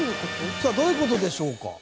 さあどういう事でしょうか？